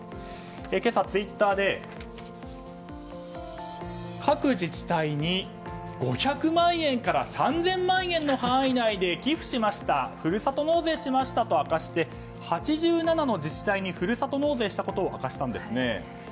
今朝、ツイッターで各自治体に５００万円から３０００万円の範囲内で寄付しましたふるさと納税しましたと明かして８７の自治体にふるさと納税したことを明かしたんですね。